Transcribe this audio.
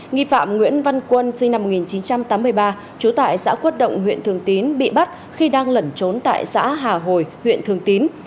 nghi phạm nguyễn văn quân sinh năm một nghìn chín trăm tám mươi ba trú tại xã quốc động huyện thường tín bị bắt khi đang lẩn trốn tại xã hà hồi huyện thường tín